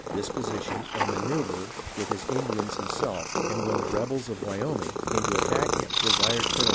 Dis position, and Maneouvre with his Indns himself and when the Rebels of Wayoming came to attack him desired Col.